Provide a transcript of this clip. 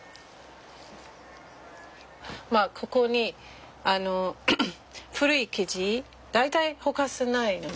まあここに古い生地大体ほかせないのね。